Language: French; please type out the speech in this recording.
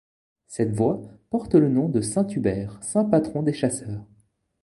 Cette voie porte le nom de saint Hubert, saint patron des chasseurs.